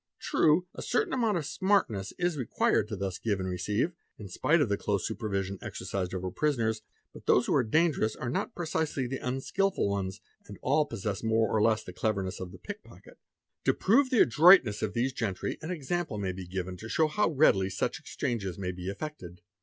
: True a certain amount of smartness is required to thus give and ' receive, in spite of the close supervision exercised over prisoners; but hose who are dangerous are not precisely the unskilful ones, and all Jossess more or less the cleverness of the pickpocket. a To prove the adroitness of these gentry, an example may be given jo show how readily such exchanges may be effected.